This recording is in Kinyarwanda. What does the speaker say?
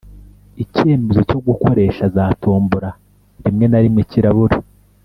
ikemezo cyo gukoresha za tombola rimwe na rimwe kirabura